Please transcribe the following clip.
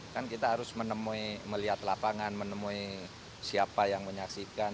kan kita harus menemui melihat lapangan menemui siapa yang menyaksikan